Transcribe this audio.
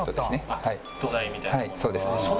はいそうですね。